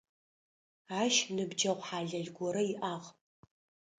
Ащ ныбджэгъу хьалэл горэ иӏагъ.